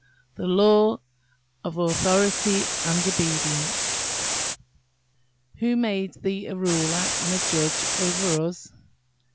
THE LAW OF AUTHORITY AND OBEDIENCE "Who made thee a ruler and a judge over us?"